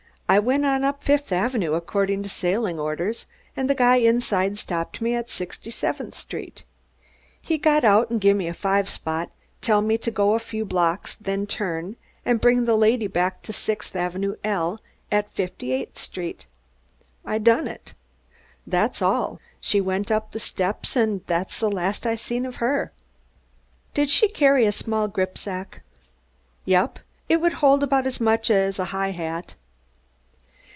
"I went on up Fifth Avenue, according to sailing orders, and the guy inside stopped me at Sixty seventh Street. He got out and gimme a five spot, telling me to go a few blocks, then turn and bring the lady back to the Sixth Avenue 'L' at Fifty eighth Street. I done it. That's all. She went up the steps, and that's the last I seen of her." "Did she carry a small gripsack?" "Yep. It would hold about as much as a high hat."